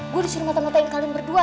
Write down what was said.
gue disuruh mata matain kalian berdua